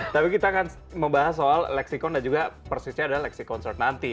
tapi kita akan membahas soal lexicon dan juga persisnya adalah lexiconsort nanti